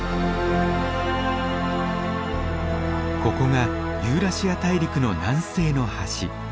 ここがユーラシア大陸の南西の端。